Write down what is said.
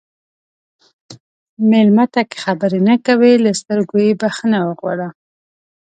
مېلمه ته که خبرې نه کوي، له سترګو یې بخښنه وغواړه.